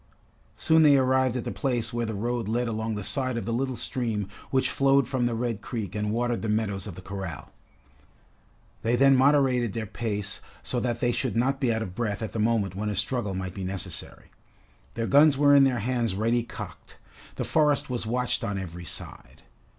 Soon they arrived at the place where the road led along the side of the little stream which flowed from the Red Creek and watered the meadows of the corral. They then moderated their pace so that they should not be out of breath at the moment when a struggle might be necessary. Their guns were in their hands ready cocked. The forest was watched on every side.